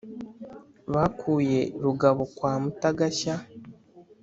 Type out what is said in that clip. bakuye rugabo kwa mutagashya.